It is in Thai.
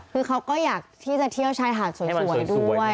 คือเขาก็อยากที่จะเที่ยวชายหาดสวยด้วย